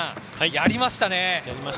やりましたね。